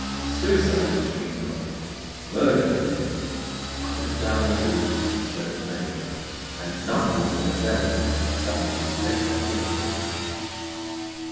Suicide was dreamed of, murder hinted; up and down the village was the search made, and none was more zealous than the distressed curate.